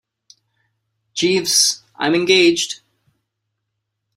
Jeeves, I'm engaged.